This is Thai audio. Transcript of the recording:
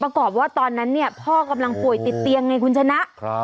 ประกอบว่าตอนนั้นเนี่ยพ่อกำลังป่วยติดเตียงในคุณชนะครับ